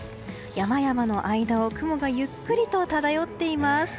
山々の間を雲がゆっくりと漂っています。